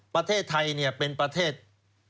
ประเทศไทยเป็นประเทศท่องเที่ยว